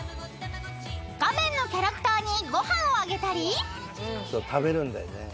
［画面のキャラクターにご飯をあげたり］